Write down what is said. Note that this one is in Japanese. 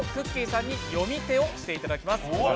さんに読み手をしていただきます。